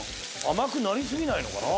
甘くなり過ぎないのかな？